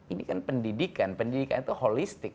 ini kan pendidikan pendidikan itu holistik